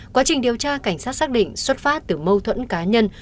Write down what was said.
quá trình điều tra cảnh sát xác định xuất phát từ mâu thuẫn cá nhân